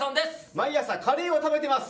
「毎朝カレーを食べてます」